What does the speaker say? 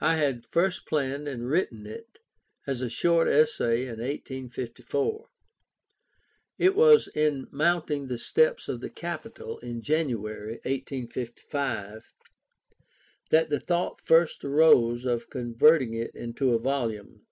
I had first planned and written it as a short essay in 1854. It was in mounting the steps of the Capitol, in January, 1855, that the thought first arose of converting it into a volume.